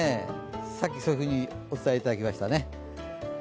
さっきそういふうにお伝えいただきましたね。